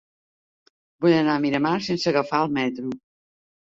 Vull anar a Miramar sense agafar el metro.